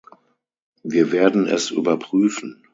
Wir werden es überprüfen.